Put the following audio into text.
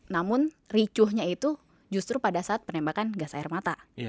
namun ricuhnya itu justru pada saat penembakan gas air mata